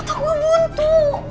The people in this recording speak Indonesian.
otak gue buntu